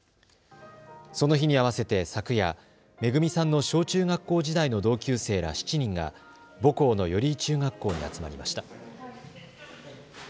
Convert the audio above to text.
その日に合わせて昨夜、めぐみさんの小中学校時代の同級生ら７人が母校の寄居中学校に集まりました。